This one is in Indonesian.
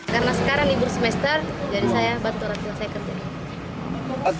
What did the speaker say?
karena sekarang ibur semester jadi saya bantu orang tua saya kembali